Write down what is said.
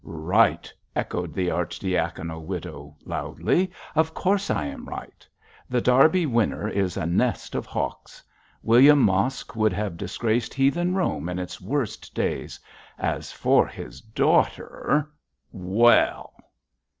'Right!' echoed the archidiaconal widow, loudly, 'of course I am right. The Derby Winner is a nest of hawks. William Mosk would have disgraced heathen Rome in its worst days; as for his daughter well!'